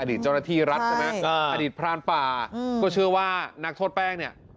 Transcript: เจ้าหน้าที่รัฐใช่ไหมอดีตพรานป่าก็เชื่อว่านักโทษแป้งเนี่ย